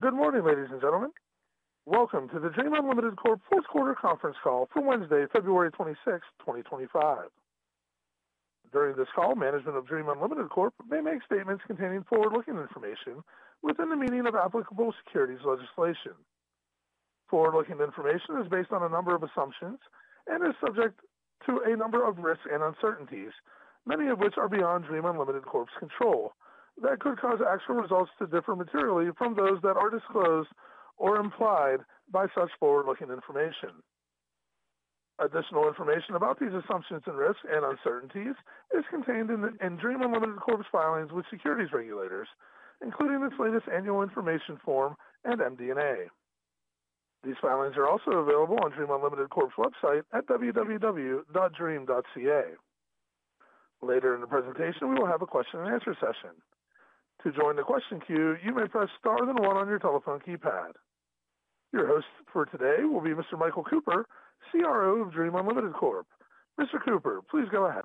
Good morning, ladies and gentlemen. Welcome to the Dream Unlimited Corp. fourth quarter conference call for Wednesday, February 26, 2025. During this call, management of Dream Unlimited Corp. may make statements containing forward-looking information within the meaning of applicable securities legislation. Forward-looking information is based on a number of assumptions and is subject to a number of risks and uncertainties, many of which are beyond Dream Unlimited Corp.'s control that could cause actual results to differ materially from those that are disclosed or implied by such forward-looking information. Additional information about these assumptions and risks and uncertainties is contained in Dream Unlimited Corp.'s filings with securities regulators, including its latest annual information form and MD&A. These filings are also available on Dream Unlimited Corp.'s website at www.dream.ca. Later in the presentation, we will have a question-and-answer session. To join the question queue, you may press star then one on your telephone keypad. Your host for today will be Mr. Michael Cooper, CRO of Dream Unlimited Corp. Mr. Cooper, please go ahead.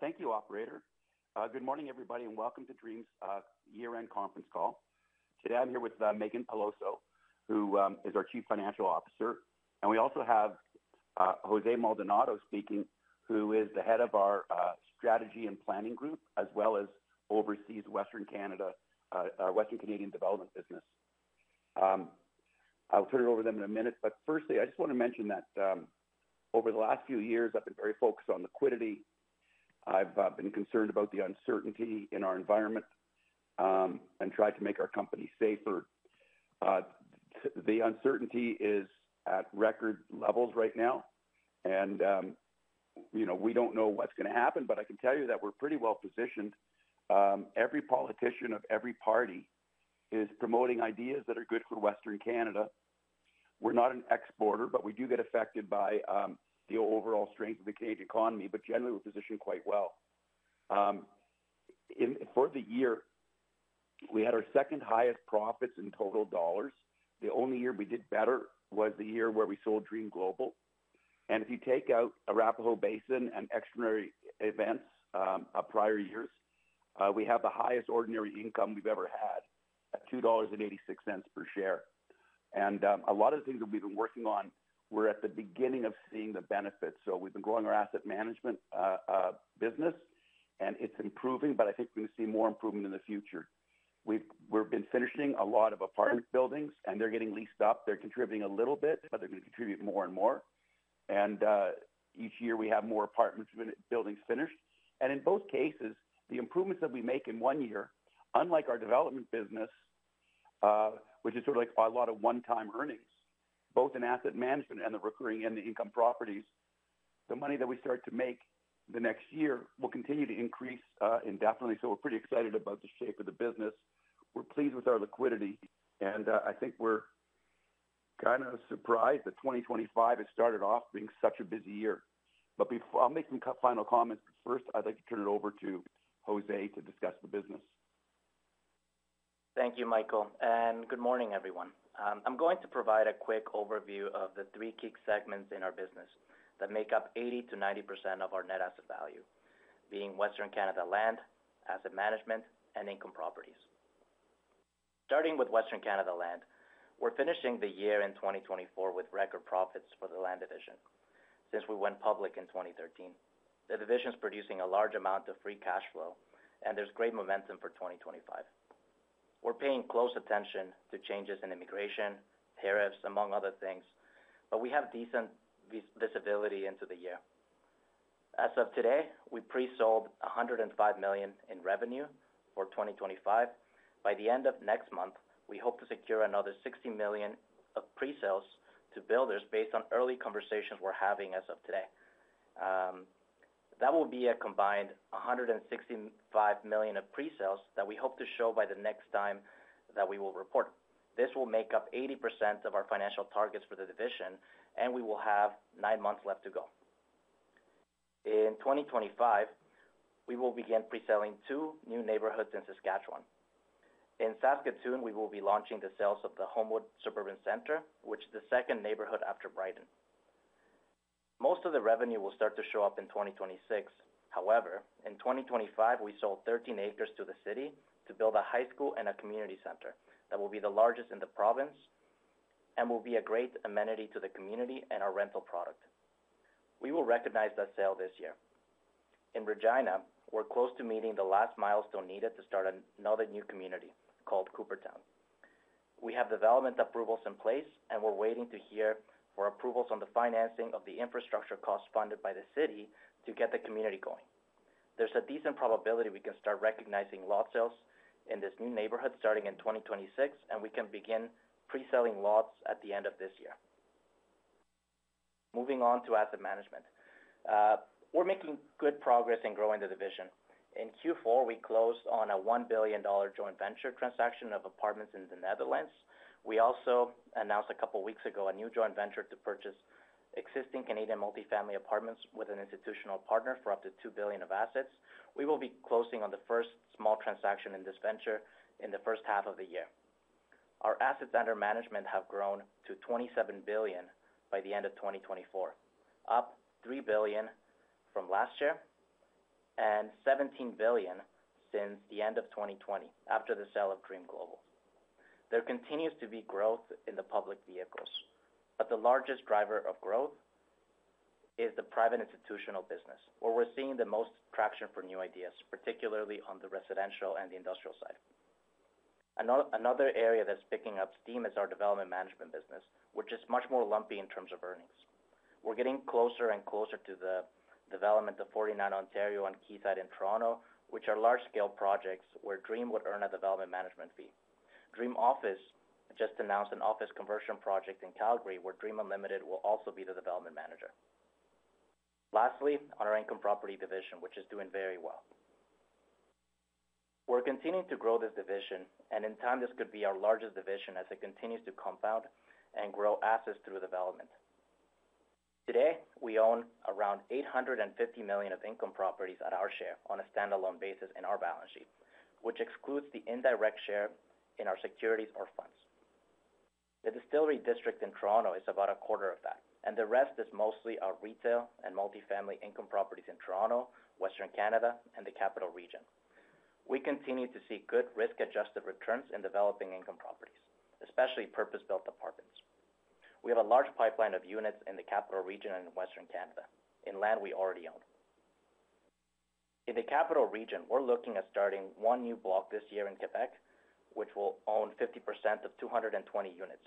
Thank you, Operator. Good morning, everybody, and welcome to Dream's year-end conference call. Today, I'm here with Meaghan Peloso, who is our Chief Financial Officer, and we also have Jose Maldonado speaking, who is the head of our strategy and planning group, as well as oversees Western Canada, our Western Canadian development business. I'll turn it over to them in a minute, but firstly, I just want to mention that over the last few years, I've been very focused on liquidity. I've been concerned about the uncertainty in our environment and tried to make our company safer. The uncertainty is at record levels right now, and we don't know what's going to happen, but I can tell you that we're pretty well positioned. Every politician of every party is promoting ideas that are good for Western Canada. We're not an exporter, but we do get affected by the overall strength of the Canadian economy, but generally, we're positioned quite well. For the year, we had our second highest profits in total dollars. The only year we did better was the year where we sold Dream Global. And if you take out Arapahoe Basin and extraordinary events of prior years, we have the highest ordinary income we've ever had at 2.86 dollars per share. And a lot of the things that we've been working on, we're at the beginning of seeing the benefits. So we've been growing our asset management business, and it's improving, but I think we're going to see more improvement in the future. We've been finishing a lot of apartment buildings, and they're getting leased up. They're contributing a little bit, but they're going to contribute more and more. And each year, we have more apartment buildings finished. And in both cases, the improvements that we make in one year, unlike our development business, which is sort of like a lot of one-time earnings, both in asset management and the recurring and the income properties, the money that we start to make the next year will continue to increase indefinitely. So we're pretty excited about the shape of the business. We're pleased with our liquidity. And I think we're kind of surprised that 2025 has started off being such a busy year. But I'll make some final comments. But first, I'd like to turn it over to Jose to discuss the business. Thank you, Michael. Good morning, everyone. I'm going to provide a quick overview of the three key segments in our business that make up 80%-90% of our net asset value, being Western Canada land, asset management, and income properties. Starting with Western Canada land, we're finishing the year in 2024 with record profits for the land division since we went public in 2013. The division's producing a large amount of free cash flow, and there's great momentum for 2025. We're paying close attention to changes in immigration, tariffs, among other things, but we have decent visibility into the year. As of today, we pre-sold 105 million in revenue for 2025. By the end of next month, we hope to secure another 60 million of pre-sales to builders based on early conversations we're having as of today. That will be a combined 165 million of pre-sales that we hope to show by the next time that we will report. This will make up 80% of our financial targets for the division, and we will have nine months left to go. In 2025, we will begin pre-selling two new neighborhoods in Saskatchewan. In Saskatoon, we will be launching the sales of the Holmwood Suburban Centre, which is the second neighborhood after Brighton. Most of the revenue will start to show up in 2026. However, in 2025, we sold 13 acres to the city to build a high school and a community center that will be the largest in the province and will be a great amenity to the community and our rental product. We will recognize that sale this year. In Regina, we're close to meeting the last milestone needed to start another new community called Coopertown. We have development approvals in place, and we're waiting to hear for approvals on the financing of the infrastructure costs funded by the city to get the community going. There's a decent probability we can start recognizing lot sales in this new neighborhood starting in 2026, and we can begin pre-selling lots at the end of this year. Moving on to asset management, we're making good progress in growing the division. In Q4, we closed on a 1 billion dollar joint venture transaction of apartments in the Netherlands. We also announced a couple of weeks ago a new joint venture to purchase existing Canadian multi-family apartments with an institutional partner for up to 2 billion of assets. We will be closing on the first small transaction in this venture in the first half of the year. Our assets under management have grown to 27 billion by the end of 2024, up 3 billion from last year and 17 billion since the end of 2020 after the sale of Dream Global. There continues to be growth in the public vehicles, but the largest driver of growth is the private institutional business, where we're seeing the most traction for new ideas, particularly on the residential and the industrial side. Another area that's picking up steam is our development management business, which is much more lumpy in terms of earnings. We're getting closer and closer to the development of 49 Ontario and Quayside in Toronto, which are large-scale projects where Dream would earn a development management fee. Dream Office just announced an office conversion project in Calgary, where Dream Unlimited will also be the development manager. Lastly, on our income property division, which is doing very well. We're continuing to grow this division, and in time, this could be our largest division as it continues to compound and grow assets through development. Today, we own around 850 million of income properties at our share on a standalone basis in our balance sheet, which excludes the indirect share in our securities or funds. The Distillery District in Toronto is about a quarter of that, and the rest is mostly our retail and multi-family income properties in Toronto, Western Canada, and the Capital Region. We continue to see good risk-adjusted returns in developing income properties, especially purpose-built apartments. We have a large pipeline of units in the Capital Region and in Western Canada in land we already own. In the Capital Region, we're looking at starting one new block this year in Quebec, which will own 50% of 220 units.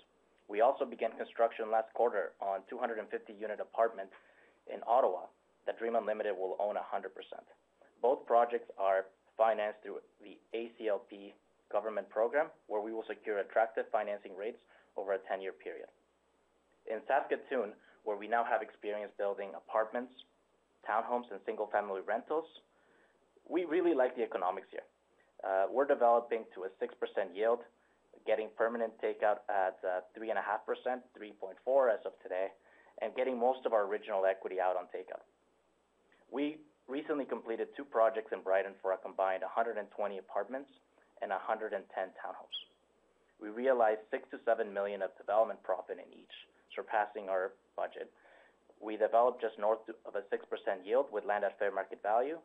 We also began construction last quarter on 250-unit apartments in Ottawa that Dream Unlimited will own 100%. Both projects are financed through the ACLP government program, where we will secure attractive financing rates over a 10-year period. In Saskatoon, where we now have experience building apartments, townhomes, and single-family rentals, we really like the economics here. We're developing to a 6% yield, getting permanent takeout at 3.5%, 3.4% as of today, and getting most of our original equity out on takeout. We recently completed two projects in Brighton for a combined 120 apartments and 110 townhomes. We realized 6 million-7 million of development profit in each, surpassing our budget. We developed just north of a 6% yield with land at fair market value,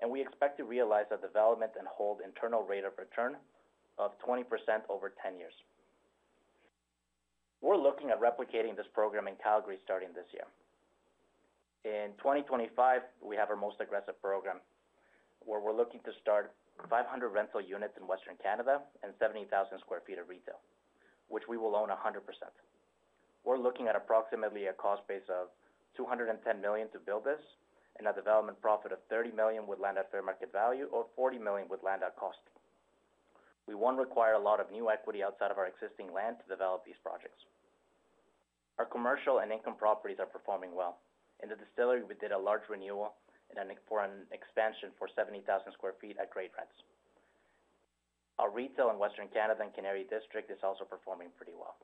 and we expect to realize a development and hold internal rate of return of 20% over 10 years. We're looking at replicating this program in Calgary starting this year. In 2025, we have our most aggressive program, where we're looking to start 500 rental units in Western Canada and 70,000 sq ft of retail, which we will own 100%. We're looking at approximately a cost base of 210 million to build this, and a development profit of 30 million with land at fair market value or 40 million with land at cost. We won't require a lot of new equity outside of our existing land to develop these projects. Our commercial and income properties are performing well. In the Distillery District, we did a large renewal for an expansion for 70,000 sq ft at great rents. Our retail in Western Canada and Canary District is also performing pretty well.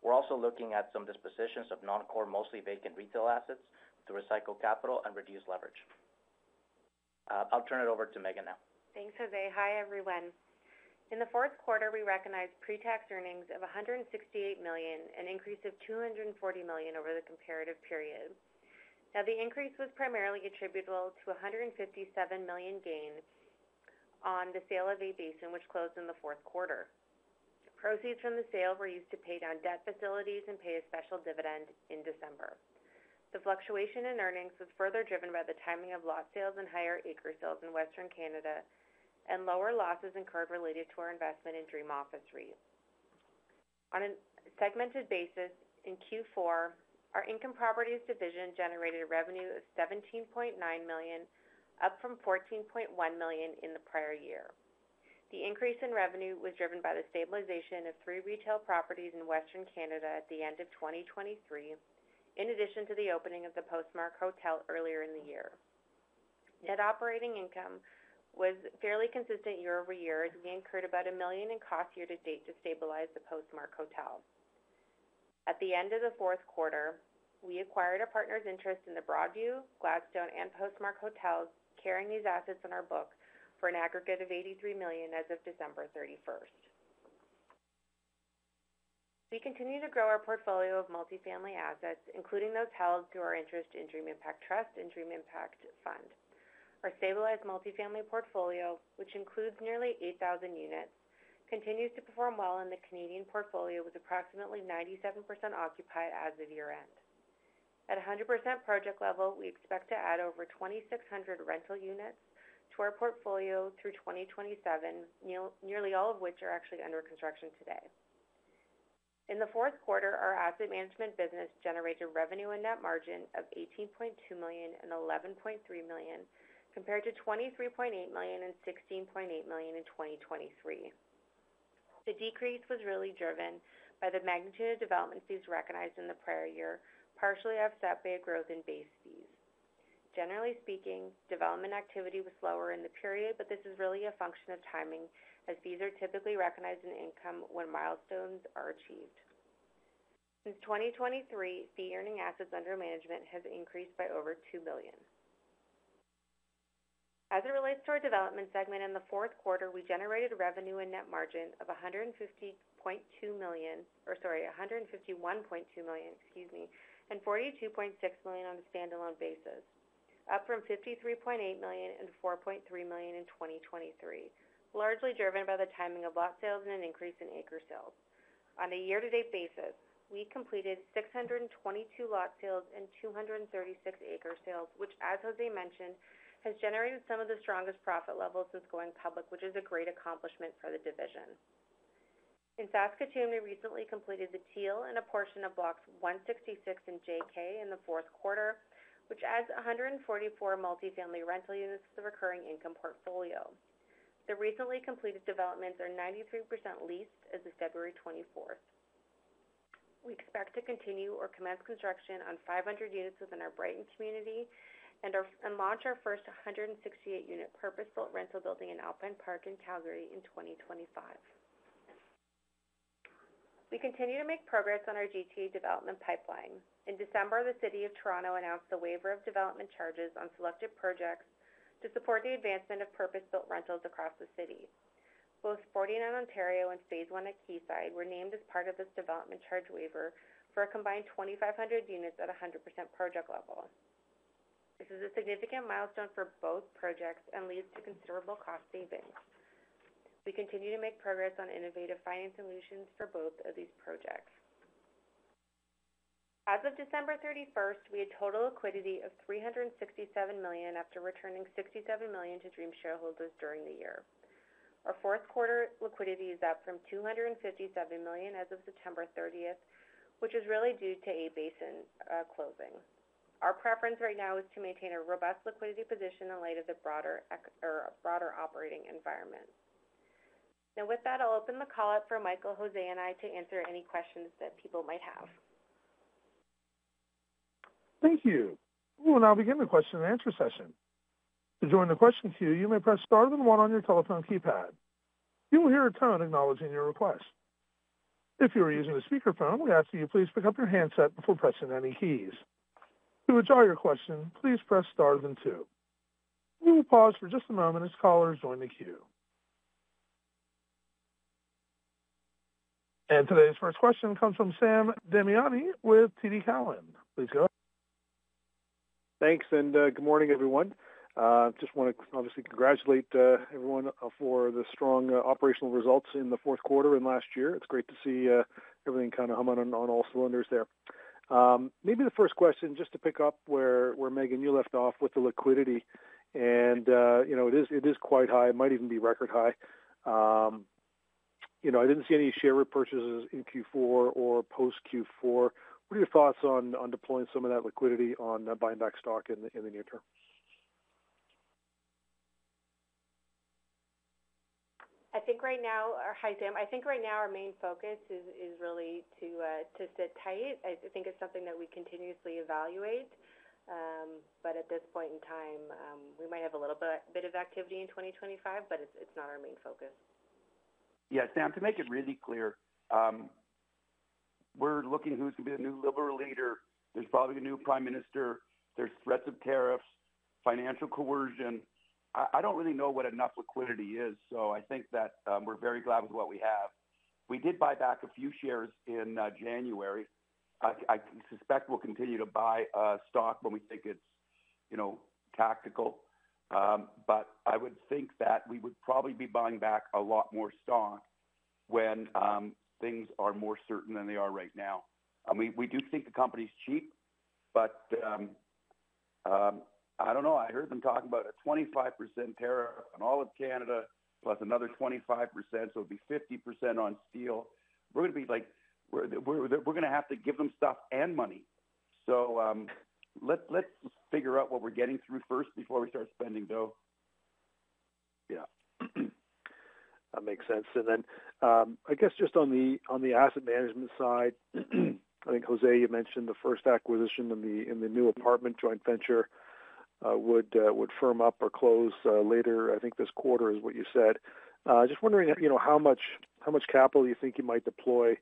We're also looking at some dispositions of non-core, mostly vacant retail assets to recycle capital and reduce leverage. I'll turn it over to Meaghan now. Thanks, Jose. Hi, everyone. In the fourth quarter, we recognized pre-tax earnings of 168 million, an increase of 240 million over the comparative period. Now, the increase was primarily attributable to 157 million gain on the sale of Arapahoe Basin, which closed in the fourth quarter. Proceeds from the sale were used to pay down debt facilities and pay a special dividend in December. The fluctuation in earnings was further driven by the timing of lot sales and higher acre sales in Western Canada, and lower losses incurred related to our investment in Dream Office REIT. On a segmented basis, in Q4, our income properties division generated a revenue of 17.9 million, up from 14.1 million in the prior year. The increase in revenue was driven by the stabilization of three retail properties in Western Canada at the end of 2023, in addition to the opening of the Postmark Hotel earlier in the year. Net operating income was fairly consistent year over year, as we incurred about 1 million in cost year to date to stabilize the Postmark Hotel. At the end of the fourth quarter, we acquired a partner's interest in the Broadview, Gladstone, and Postmark Hotels, carrying these assets in our book for an aggregate of 83 million as of December 31st. We continue to grow our portfolio of multi-family assets, including those held through our interest in Dream Impact Trust and Dream Impact Fund. Our stabilized multi-family portfolio, which includes nearly 8,000 units, continues to perform well in the Canadian portfolio, with approximately 97% occupied as of year-end. At 100% project level, we expect to add over 2,600 rental units to our portfolio through 2027, nearly all of which are actually under construction today. In the fourth quarter, our asset management business generated revenue and net margin of 18.2 million and 11.3 million, compared to 23.8 million and 16.8 million in 2023. The decrease was really driven by the magnitude of development fees recognized in the prior year, partially offset by a growth in base fees. Generally speaking, development activity was slower in the period, but this is really a function of timing, as fees are typically recognized in income when milestones are achieved. Since 2023, fee-earning assets under management have increased by over 2 billion. As it relates to our development segment, in the fourth quarter, we generated revenue and net margin of 150.2 million or, sorry, 151.2 million, excuse me, and 42.6 million on a standalone basis, up from 53.8 million and 4.3 million in 2023, largely driven by the timing of lot sales and an increase in acre sales. On a year-to-date basis, we completed 622 lot sales and 236 acre sales, which, as José mentioned, has generated some of the strongest profit levels since going public, which is a great accomplishment for the division. In Saskatoon, we recently completed the Teal and a portion of Block 166 and Block JK in the fourth quarter, which adds 144 multifamily rental units to the recurring income portfolio. The recently completed developments are 93% leased as of February 24th. We expect to continue or commence construction on 500 units within our Brighton community and launch our first 168-unit purpose-built rental building in Alpine Park in Calgary in 2025. We continue to make progress on our GTA development pipeline. In December, the City of Toronto announced a waiver of development charges on selected projects to support the advancement of purpose-built rentals across the city. Both 49 Ontario and Phase One at Quayside were named as part of this development charge waiver for a combined 2,500 units at 100% project level. This is a significant milestone for both projects and leads to considerable cost savings. We continue to make progress on innovative finance solutions for both of these projects. As of December 31st, we had total liquidity of 367 million after returning 67 million to Dream shareholders during the year. Our fourth quarter liquidity is up from 257 million as of September 30th, which is really due to an Arapahoe Basin closing. Our preference right now is to maintain a robust liquidity position in light of the broader operating environment. Now, with that, I'll open the call up for Michael, Jose, and I to answer any questions that people might have. Thank you. We will now begin the question and answer session. To join the question queue, you may press star then one on your telephone keypad. You will hear a tone acknowledging your request. If you are using a speakerphone, we ask that you please pick up your handset before pressing any keys. To withdraw your question, please press star then two. We will pause for just a moment as callers join the queue. Today's first question comes from Sam Damiani with TD Cowen. Please go ahead. Thanks, and good morning, everyone. I just want to obviously congratulate everyone for the strong operational results in the fourth quarter and last year. It's great to see everything kind of humming on all cylinders there. Maybe the first question, just to pick up where Meaghan, you left off with the liquidity, and it is quite high, might even be record high. I didn't see any share repurchases in Q4 or post Q4. What are your thoughts on deploying some of that liquidity on buying back stock in the near term? I think right now, hi Sam, I think right now our main focus is really to sit tight. I think it's something that we continuously evaluate, but at this point in time, we might have a little bit of activity in 2025, but it's not our main focus. Yeah, Sam, to make it really clear, we're looking who's going to be the new Liberal leader. There's probably a new prime minister. There's threats of tariffs, financial coercion. I don't really know what enough liquidity is, so I think that we're very glad with what we have. We did buy back a few shares in January. I suspect we'll continue to buy stock when we think it's tactical, but I would think that we would probably be buying back a lot more stock when things are more certain than they are right now. We do think the company's cheap, but I don't know. I heard them talking about a 25% tariff on all of Canada, plus another 25%, so it'd be 50% on steel. We're going to be like, we're going to have to give them stuff and money. So let's figure out what we're getting through first before we start spending, though. Yeah. That makes sense, and then, I guess just on the asset management side, I think Jose, you mentioned the first acquisition in the new apartment joint venture would firm up or close later, I think this quarter is what you said. Just wondering how much capital you think you might deploy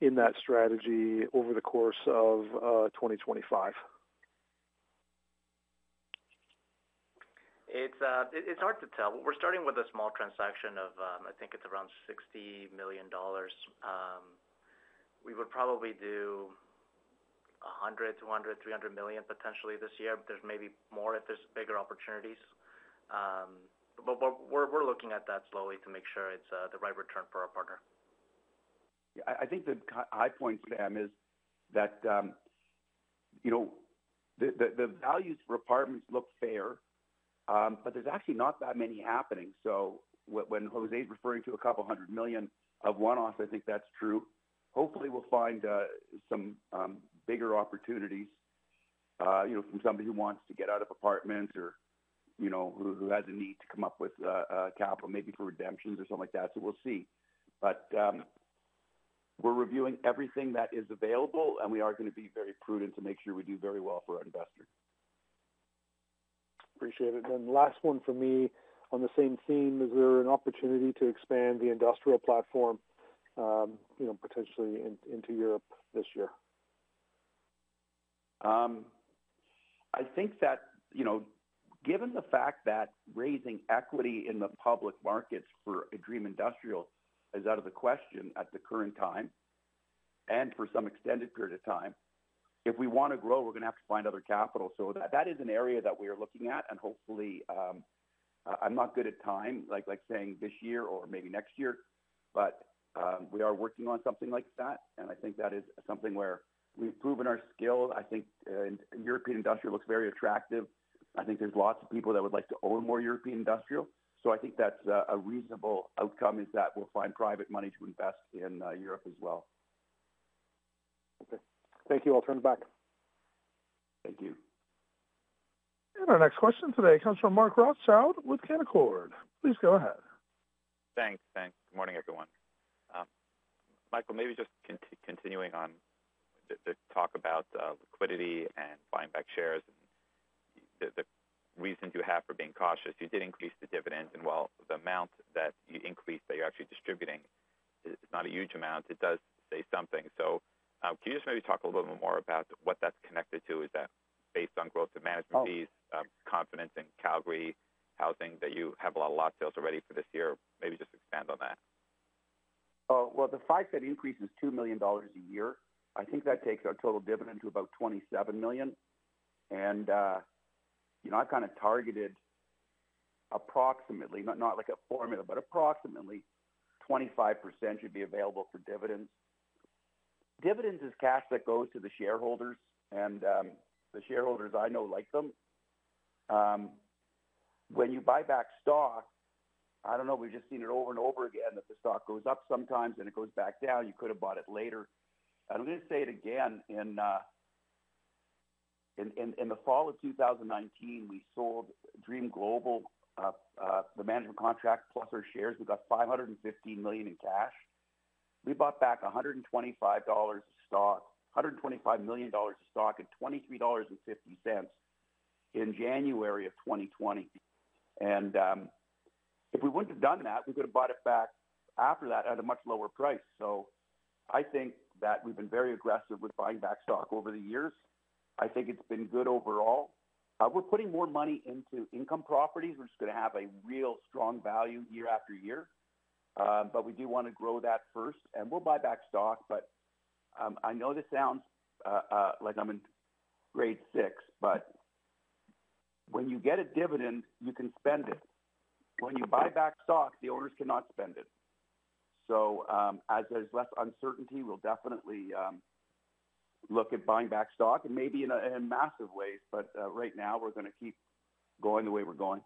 in that strategy over the course of 2025? It's hard to tell. We're starting with a small transaction of, I think it's around 60 million dollars. We would probably do 100 million, 200 million, 300 million potentially this year, but there's maybe more if there's bigger opportunities. But we're looking at that slowly to make sure it's the right return for our partner. Yeah, I think the high point, Sam, is that the values for apartments look fair, but there's actually not that many happening. So when José's referring to 200 million of one-offs, I think that's true. Hopefully, we'll find some bigger opportunities from somebody who wants to get out of apartments or who has a need to come up with capital, maybe for redemptions or something like that. So we'll see. But we're reviewing everything that is available, and we are going to be very prudent to make sure we do very well for our investors. Appreciate it. And last one for me on the same theme, is there an opportunity to expand the industrial platform potentially into Europe this year? I think that given the fact that raising equity in the public markets for a Dream Industrial is out of the question at the current time and for some extended period of time, if we want to grow, we're going to have to find other capital. So that is an area that we are looking at, and hopefully, I'm not good at time, like saying this year or maybe next year, but we are working on something like that. And I think that is something where we've proven our skill. I think European industrial looks very attractive. I think there's lots of people that would like to own more European industrial. So I think that's a reasonable outcome, is that we'll find private money to invest in Europe as well. Okay. Thank you. I'll turn it back. Thank you. And our next question today comes from Mark Rothschild with Canaccord. Please go ahead. Thanks. Thanks. Good morning, everyone. Michael, maybe just continuing on the talk about liquidity and buying back shares and the reason you have for being cautious. You did increase the dividends, and while the amount that you increased that you're actually distributing is not a huge amount, it does say something. So can you just maybe talk a little bit more about what that's connected to? Is that based on growth in management fees, confidence in Calgary housing that you have a lot of lot sales already for this year? Maybe just expand on that. The fact that it increases 2 million dollars a year, I think that takes our total dividend to about 27 million. And I've kind of targeted approximately, not like a formula, but approximately 25% should be available for dividends. Dividends is cash that goes to the shareholders, and the shareholders I know like them. When you buy back stock, I don't know, we've just seen it over and over again that the stock goes up sometimes and it goes back down. You could have bought it later. And I'm going to say it again. In the fall of 2019, we sold Dream Global, the management contract, plus our shares. We got 515 million in cash. We bought back 125 dollars of stock, 125 million dollars of stock at 23.50 dollars in January of 2020. And if we wouldn't have done that, we could have bought it back after that at a much lower price. So I think that we've been very aggressive with buying back stock over the years. I think it's been good overall. We're putting more money into income properties. We're just going to have a real strong value year after year, but we do want to grow that first. And we'll buy back stock, but I know this sounds like I'm in grade six, but when you get a dividend, you can spend it. When you buy back stock, the owners cannot spend it. So as there's less uncertainty, we'll definitely look at buying back stock, and maybe in massive ways, but right now, we're going to keep going the way we're going.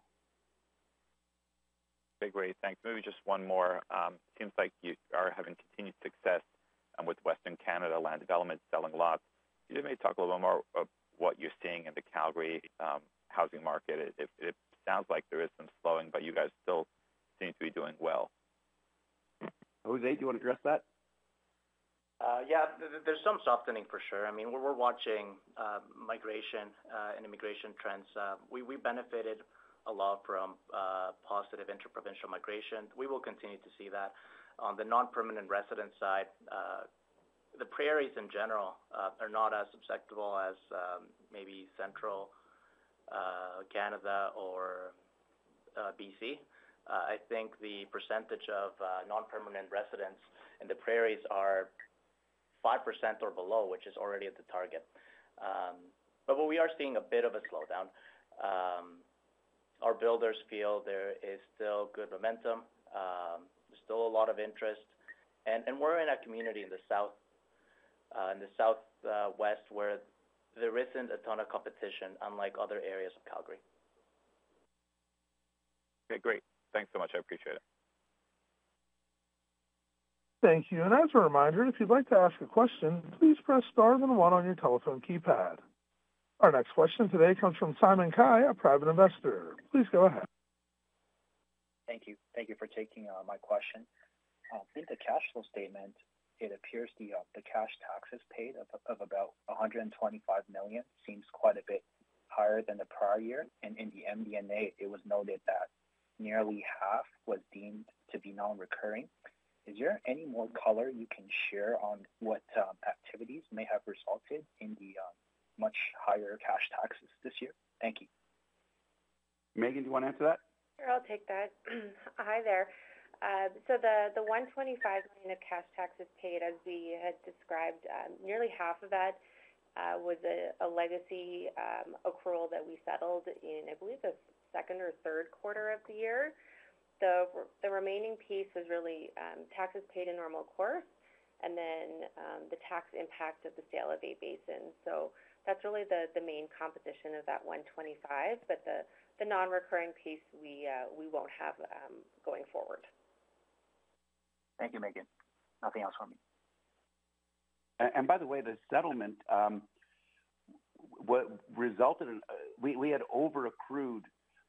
Okay. Great. Thanks. Maybe just one more. It seems like you are having continued success with Western Canada land division selling lots. Can you maybe talk a little bit more about what you're seeing in the Calgary housing market? It sounds like there is some slowing, but you guys still seem to be doing well. José, do you want to address that? Yeah. There's some softening for sure. I mean, we're watching migration and immigration trends. We benefited a lot from positive interprovincial migration. We will continue to see that. On the non-permanent resident side, the prairies in general are not as susceptible as maybe Central Canada or BC. I think the percentage of non-permanent residents in the prairies are 5% or below, which is already at the target. But we are seeing a bit of a slowdown. Our builders feel there is still good momentum, still a lot of interest. And we're in a community in the southwest where there isn't a ton of competition, unlike other areas of Calgary. Okay. Great. Thanks so much. I appreciate it. Thank you. And as a reminder, if you'd like to ask a question, please press star then one on your telephone keypad. Our next question today comes from Simon Kai, a private investor. Please go ahead. Thank you. Thank you for taking my question. In the cash flow statement, it appears the cash taxes paid of about 125 million seems quite a bit higher than the prior year, and in the MD&A, it was noted that nearly half was deemed to be non-recurring. Is there any more color you can share on what activities may have resulted in the much higher cash taxes this year? Thank you. Meaghan, do you want to answer that? Sure. I'll take that. Hi there. So the 125 million of cash taxes paid, as we had described, nearly half of that was a legacy accrual that we settled in, I believe, the second or third quarter of the year. The remaining piece was really taxes paid in normal course and then the tax impact of the sale of Arapahoe Basin. So that's really the main composition of that 125 million, but the non-recurring piece we won't have going forward. Thank you, Meaghan. Nothing else for me. And by the way, the settlement resulted in we had over-accrued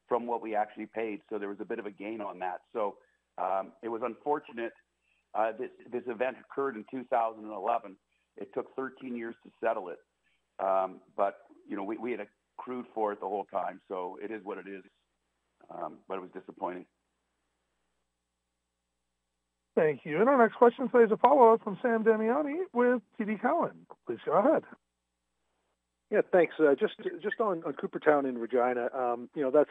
from what we actually paid, so there was a bit of a gain on that. So it was unfortunate this event occurred in 2011. It took 13 years to settle it, but we had accrued for it the whole time. So it is what it is, but it was disappointing. Thank you. And our next question today is a follow-up from Sam Damiani with TD Cowen. Please go ahead. Yeah. Thanks. Just on Coopertown in Regina,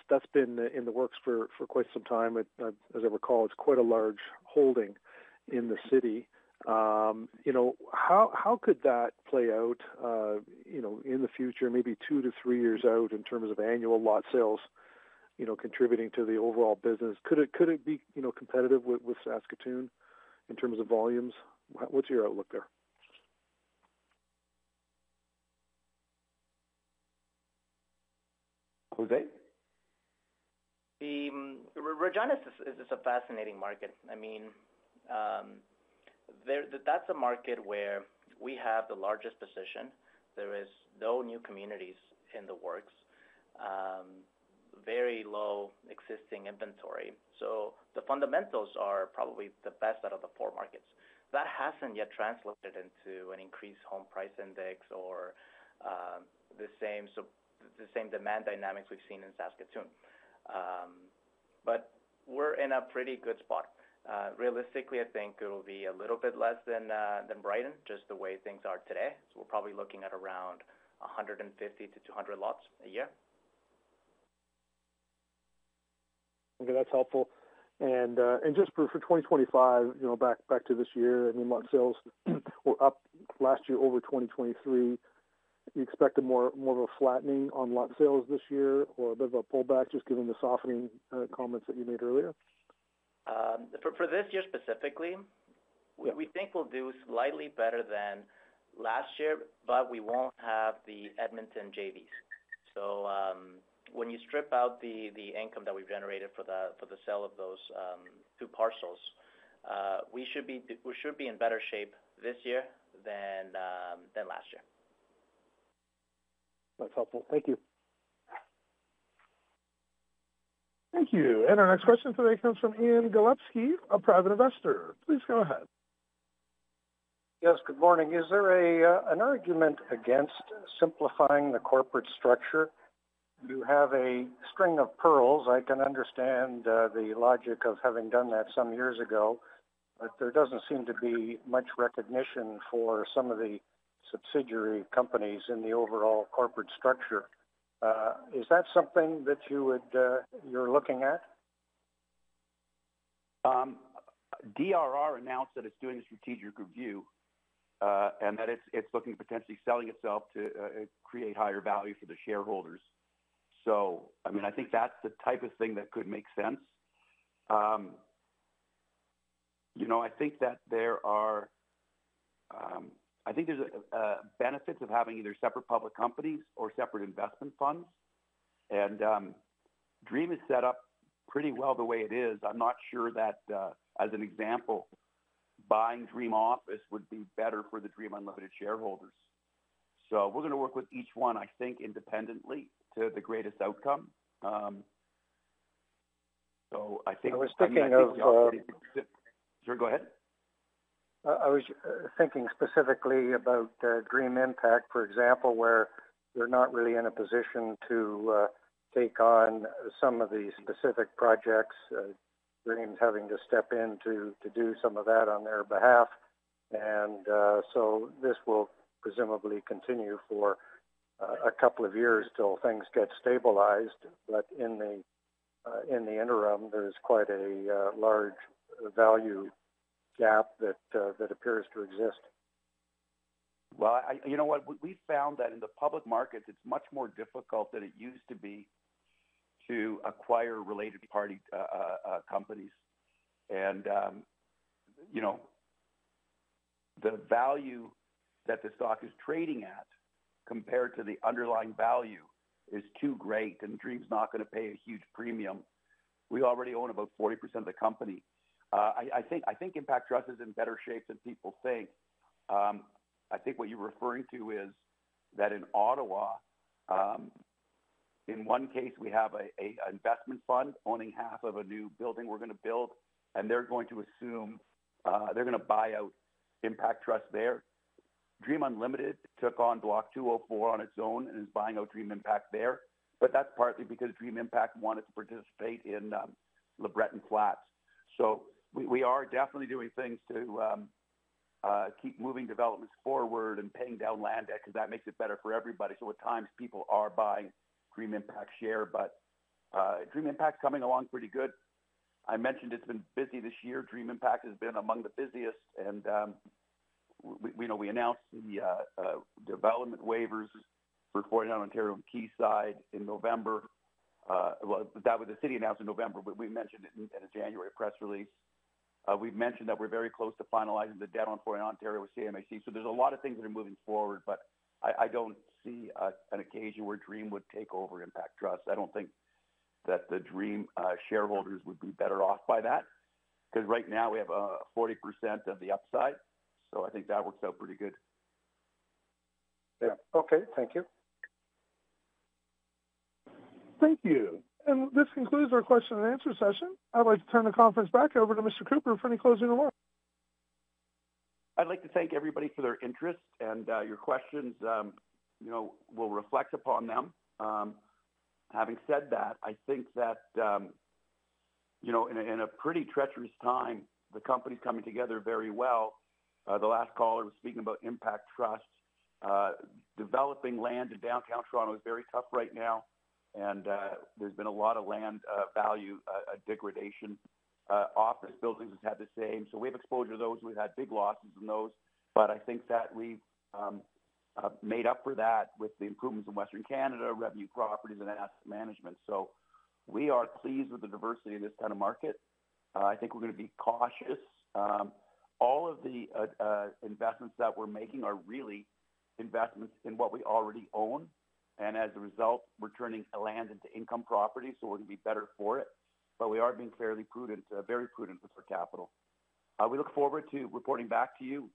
that's been in the works for quite some time. As I recall, it's quite a large holding in the city. How could that play out in the future, maybe two to three years out, in terms of annual lot sales contributing to the overall business? Could it be competitive with Saskatoon in terms of volumes? What's your outlook there? Jose? Regina is just a fascinating market. I mean, that's a market where we have the largest position. There are no new communities in the works, very low existing inventory. So the fundamentals are probably the best out of the four markets. That hasn't yet translated into an increased home price index or the same demand dynamics we've seen in Saskatoon. But we're in a pretty good spot. Realistically, I think it'll be a little bit less than Brighton, just the way things are today. So we're probably looking at around 150-200 lots a year. Okay. That's helpful. And just for 2025, back to this year, I mean, lot sales were up last year over 2023. You expect more of a flattening on lot sales this year or a bit of a pullback, just given the softening comments that you made earlier? For this year specifically, we think we'll do slightly better than last year, but we won't have the Edmonton JVs. So when you strip out the income that we've generated for the sale of those two parcels, we should be in better shape this year than last year. That's helpful. Thank you. Thank you. And our next question today comes fromIan Galipsky, a private investor. Please go ahead. Yes. Good morning. Is there an argument against simplifying the corporate structure? You have a string of pearls. I can understand the logic of having done that some years ago, but there doesn't seem to be much recognition for some of the subsidiary companies in the overall corporate structure. Is that something that you're looking at? DRM announced that it's doing a strategic review and that it's looking to potentially sell itself to create higher value for the shareholders, so I mean, I think that's the type of thing that could make sense. I think that there are benefits of having either separate public companies or separate investment funds, and Dream is set up pretty well the way it is. I'm not sure that, as an example, buying Dream Office would be better for the Dream Unlimited shareholders, so we're going to work with each one, I think, independently to the greatest outcome, so I think. I was thinking of. Sure. Go ahead. I was thinking specifically about Dream Impact, for example, where they're not really in a position to take on some of the specific projects. Dream's having to step in to do some of that on their behalf. And so this will presumably continue for a couple of years till things get stabilized. But in the interim, there is quite a large value gap that appears to exist. You know what? We found that in the public markets, it's much more difficult than it used to be to acquire related party companies. And the value that the stock is trading at compared to the underlying value is too great, and Dream's not going to pay a huge premium. We already own about 40% of the company. I think Impact Trust is in better shape than people think. I think what you're referring to is that in Ottawa, in one case, we have an investment fund owning half of a new building we're going to build, and they're going to assume they're going to buy out Impact Trust there. Dream Unlimited took on Block 204 on its own and is buying out Dream Impact there. But that's partly because Dream Impact wanted to participate in LeBreton Flats. So we are definitely doing things to keep moving developments forward and paying down land debt because that makes it better for everybody. So at times, people are buying Dream Impact's share. But Dream Impact's coming along pretty good. I mentioned it's been busy this year. Dream Impact has been among the busiest. And we announced the development waivers for 49 Ontario and Quayside in November. Well, that was the city announced in November, but we mentioned it in a January press release. We've mentioned that we're very close to finalizing the debt on 49 Ontario with CMHC. So there's a lot of things that are moving forward, but I don't see an occasion where Dream would take over Impact Trust. I don't think that the Dream shareholders would be better off by that because right now, we have 40% of the upside. So I think that works out pretty good. Yeah. Okay. Thank you. Thank you. And this concludes our question and answer session. I'd like to turn the conference back over to Mr. Cooper for any closing remarks. I'd like to thank everybody for their interest and your questions. We'll reflect upon them. Having said that, I think that in a pretty treacherous time, the company's coming together very well. The last caller was speaking about Impact Trust. Developing land in downtown Toronto is very tough right now, and there's been a lot of land value degradation. Office buildings have had the same. So we have exposure to those. We've had big losses in those. But I think that we've made up for that with the improvements in Western Canada, revenue properties, and asset management. So we are pleased with the diversity in this kind of market. I think we're going to be cautious. All of the investments that we're making are really investments in what we already own. And as a result, we're turning land into income property, so we're going to be better for it. But we are being fairly prudent, very prudent with our capital. We look forward to reporting back to you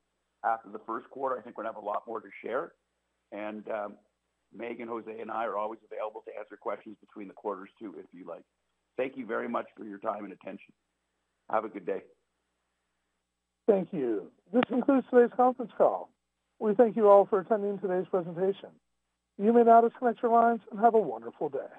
after the first quarter. I think we're going to have a lot more to share. And Meaghan, Jose, and I are always available to answer questions between the quarters too, if you like. Thank you very much for your time and attention. Have a good day. Thank you. This concludes today's conference call. We thank you all for attending today's presentation. You may now disconnect your lines and have a wonderful day.